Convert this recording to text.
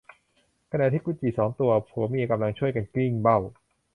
ขณะที่กุดจี่สองตัวผัวเมียกำลังช่วยกันกลิ้งเบ้า